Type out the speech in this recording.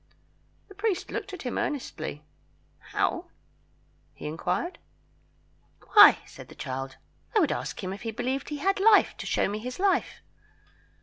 The priest looked at him earnestly. "How?" he inquired. "Why," said the child, "I would ask him if he believed he had life to show me his life."